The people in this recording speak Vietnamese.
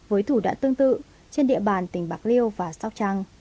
với thủ đoạn tương tự trên địa bàn tỉnh bạc liêu và sóc trăng